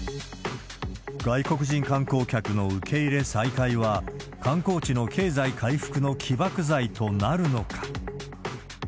外国人観光客の受け入れ再開は、観光地の経済回復の起爆剤となるのか。